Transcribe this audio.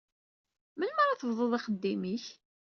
Melmi ara tebduḍ axeddim-ik?